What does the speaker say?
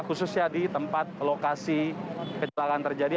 khususnya di tempat lokasi kecelakaan terjadi